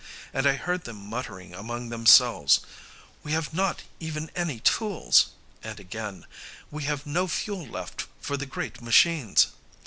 And I heard them muttering among themselves, "We have not even any tools!", and again, "We have no fuel left for the great machines!"